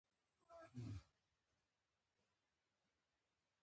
انسانیت زده کړئ! کنې انسان هر څوک دئ!